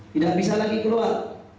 tidak bisa lagi keluar